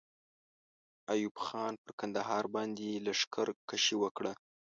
ایوب خان پر کندهار باندې لښکر کشي وکړه.